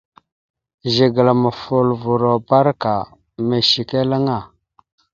Zigəla mofoləvoro barəka ameshekeŋala.